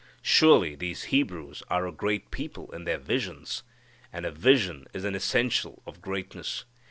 Surely these Hebrews are a great people in their visions. And a vision is an essential of greatness.